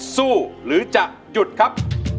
สู้หรือจะหยุดครับ